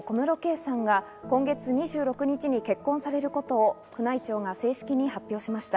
秋篠宮家の長女・まこさまと小室圭さんが今月２６日に結婚されることを宮内庁が正式に発表しました。